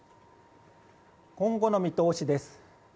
今後の見通しです。